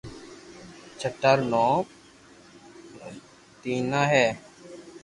ڇٽا رو نوم تينا ھي